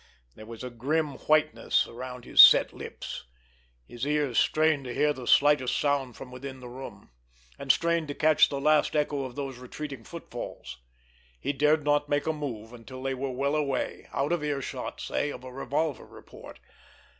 There was a grim whiteness around his set lips. His ears strained to catch the slightest sound from within the room, and strained to catch the last echo of those retreating footfalls. He dared not make a move until they were well away—out of earshot, say, of a revolver report.